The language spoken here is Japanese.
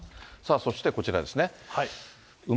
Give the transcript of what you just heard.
そしてこちらですね。